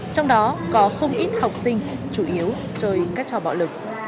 trong đó có không ít học sinh chủ yếu chơi các trò bạo lực